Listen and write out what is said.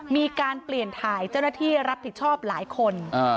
มีการเปลี่ยนถ่ายเจ้าหน้าที่รับผิดชอบหลายคน